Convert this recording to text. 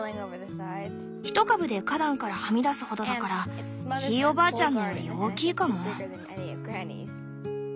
一株で花壇からはみ出すほどだからひいおばあちゃんのより大きいかも。